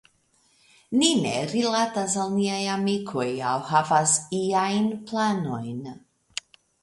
Ni ne rilatas al niaj amikoj aŭ havas iajn planojn.